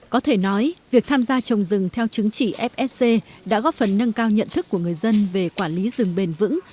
có thể nói việc tham gia trồng rừng theo chứng chỉ fsc đã góp phần nâng cao nhận thức của người dân về quản lý rừng bền vững